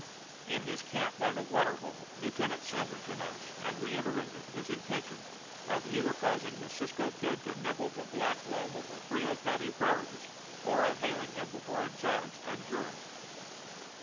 In his camp by the water hole Lieutenant Sandridge announced and reiterated his intention of either causing the Cisco Kid to nibble the black loam of the Frio country prairies or of haling him before a judge and jury.